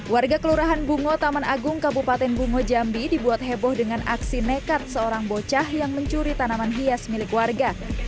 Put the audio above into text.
warga kelurahan bungo taman agung kabupaten bungo jambi dibuat heboh dengan aksi nekat seorang bocah yang mencuri tanaman hias milik warga